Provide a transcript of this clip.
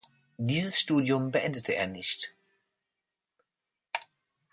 Dieses Studium beendete er nicht.